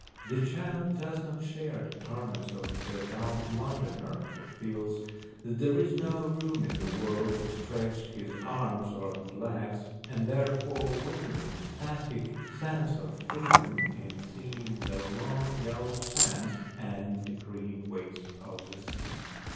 The child does not share the torments of the adult Londoner, who feels that there is no room in the world to stretch his arms and legs, and therefore wins a pathetic sense of freedom in seeing the long yellow sands and the green wastes of the sea.